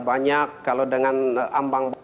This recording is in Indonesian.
banyak kalau dengan ambang